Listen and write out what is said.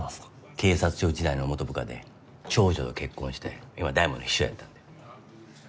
警察庁時代の元部下で長女と結婚して今は大門の秘書やってんだよ。